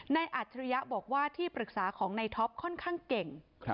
อัจฉริยะบอกว่าที่ปรึกษาของในท็อปค่อนข้างเก่ง